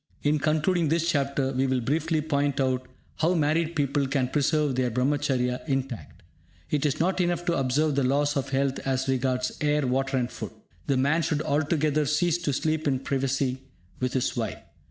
In concluding this chapter, we will briefly point out how married people can preserve their Brahmacharya intact. It is not enough to observe the laws of health as regards air, water and food. The man should altogether cease to sleep in privacy with his wife.